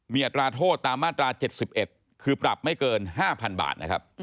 มีอัตราโทษตามมาตรา๗๑คือปรับไม่เกิน๕พันบาท